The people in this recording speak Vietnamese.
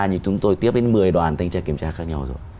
như chúng tôi tiếp đến một mươi đoàn thanh tra kiểm tra khác nhau rồi